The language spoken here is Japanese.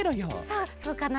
そうそうかな？